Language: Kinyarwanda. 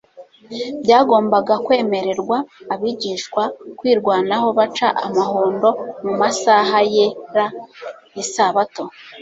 byagombaga kwemererwa abigishwa kwirwanaho baca amahundo mu masaha yera y'isabato.